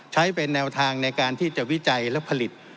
ใช้เป็นแนวทางในการที่จะวิจัยและผลิต